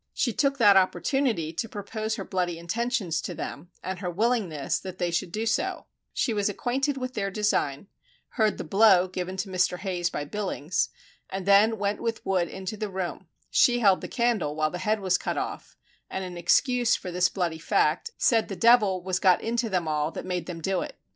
She took that opportunity to propose her bloody intentions to them, and her willingness that they should do so; she was acquainted with their design, heard the blow given to Mr. Hayes by Billings, and then went with Wood into the room; she held the candle while the head was cut off, and in excuse for this bloody fact, said the devil was got into them all that made them do it.